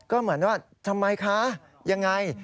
ก็เหมือนว่าทำไมคะยังไง